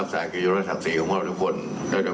ก็ฝากแค่นี้เองไว้กับพวกเราทุกคนใครจะมาใครจะไป